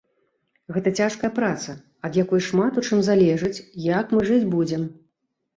Гэта цяжкая праца, ад якой шмат у чым залежыць, як мы жыць будзем.